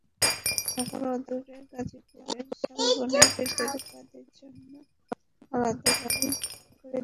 ঢাকার অদূরে গাজীপুরের শালবনের ভেতরে তাদের জন্য আলাদা বাড়ি করে দিলেন।